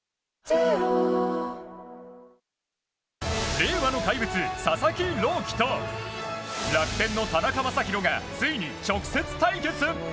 令和の怪物、佐々木朗希と楽天の田中将大がついに直接対決！